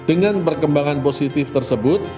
dengan perkembangan positif tersebut